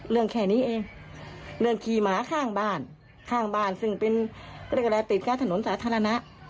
แค่นี้เองเรื่องขี่หมาข้างบ้านข้างบ้านซึ่งเป็นเขาเรียกอะไรติดข้างถนนสาธารณะ